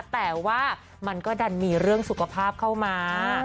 แต่ว่ามันก็ดันมีเรื่องสุขภาพเข้ามา